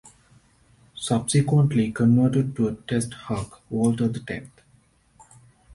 Subsequently, converted to a test hulk, Walter the Tenth.